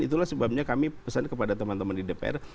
itulah sebabnya kami pesan kepada teman teman di dpr